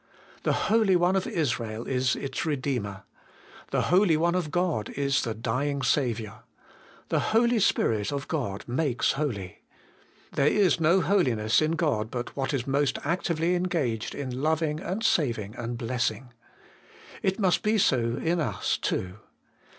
The Holy One of Israel is its Redeemer. The Holy One of God is "the dying Saviour. The Holy Spirit of God makes holy. There is no holiness in God but what is most actively engaged in loving and saving and blessing. It must be so in us too.